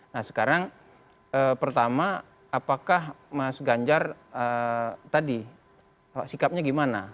nah sekarang pertama apakah mas ganjar tadi sikapnya gimana